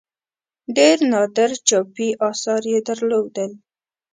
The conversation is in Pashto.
ډېر نادر چاپي آثار یې درلودل.